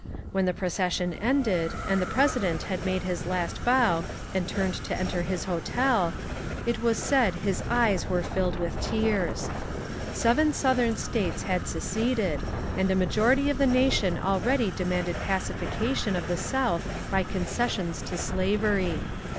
When the procession ended, and the President had made his last bow and turned LINCOLN IN CINCINNATI 319 to enter his hotel, it was said his eyes were filled with tears. Seven Southern States had seceded, and a majority of the nation already demanded pacification of the South by conces sions to slavery.